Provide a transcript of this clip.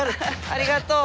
ありがとう。